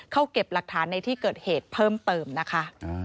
เก็บหลักฐานในที่เกิดเหตุเพิ่มเติมนะคะ